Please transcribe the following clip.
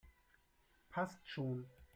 Passt schon!